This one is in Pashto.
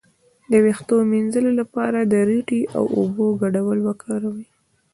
د ویښتو د مینځلو لپاره د ریټې او اوبو ګډول وکاروئ